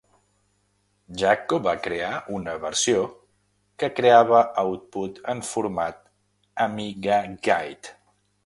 Jacco va crear una versió que creava output en format Amigaguide.